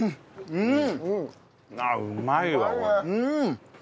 うん！